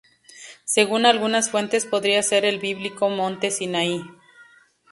Según algunas fuentes podría ser el bíblico Monte Sinaí.